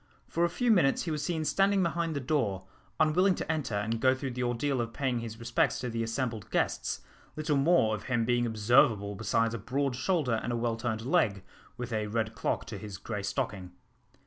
For a few minutes he was seen standing behind the door, unwilling to enter and go through the ordeal of paying his respects to the assembled guests, little more of him being observable besides a broad shoulder and a well turned leg, with a red clock to his grey stocking.